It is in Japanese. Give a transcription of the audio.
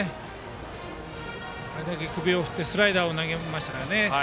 あれだけ首を振ってスライダーを投げましたから。